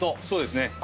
そうですね。